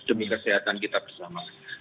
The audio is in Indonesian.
demi kesehatan kita bersama